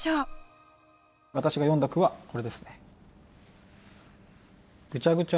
私が詠んだ句はこれですね。